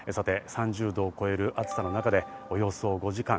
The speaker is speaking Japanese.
３０度を超える暑さの中で、およそ５時間。